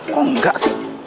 kok enggak sih